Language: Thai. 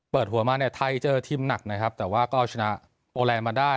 เปิดหัวมาเนี่ยไทยเจอทีมหนักนะครับแต่ว่าก็เอาชนะโอแลนด์มาได้